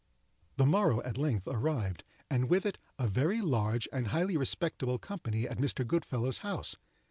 The morrow at length arrived, and with it a very large and highly respectable company at Mr. Goodfellow's house.